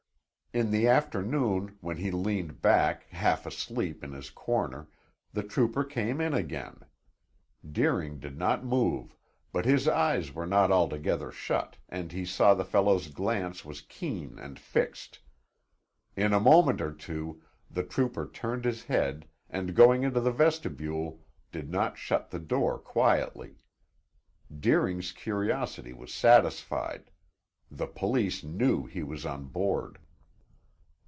In the afternoon, when he leaned back, half asleep, in his corner, the trooper came in again. Deering did not move, but his eyes were not altogether shut and he saw the fellow's glance was keen and fixed. In a moment or two the trooper turned his head, and going into the vestibule, did not shut the door quietly. Deering's curiosity was satisfied; the police knew he was on board.